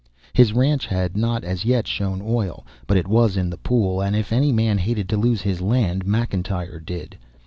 His ranch had not as yet shown oil, but it was in the pool, and if any man hated to lose his land McIntyre did.